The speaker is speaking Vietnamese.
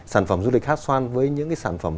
sản phẩm du lịch hát xoan với những sản phẩm